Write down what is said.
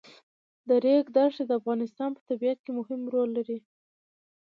د ریګ دښتې د افغانستان په طبیعت کې مهم رول لري.